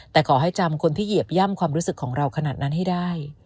แต่ขอให้จำคนที่เหยียบย่ำความรู้สึกของเราขนาดนั้นให้ได้